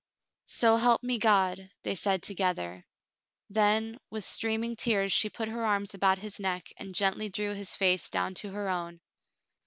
"So help me, God," they said together. Then, with streaming tears, she put her arms about his neck and gently drew his face down to her own.